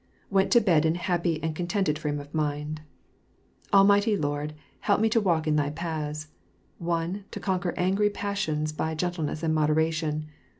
Went to bed in a happy and contented frame of mind. Almighty Lord I help me to walk in thy paths I (1) To conquer angry passions by gentleness and moderation.